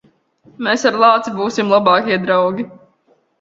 Mēs ar lāci būsim labākie draugi.